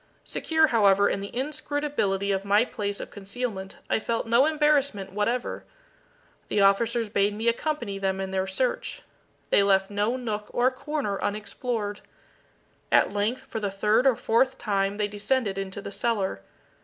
Secure, however, in the inscrutability of my place of concealment, I felt no embarrassment whatever. The officers bade me accompany them in their search. They left no nook or corner unexplored. At length, for the third or fourth time they descended into the cellar.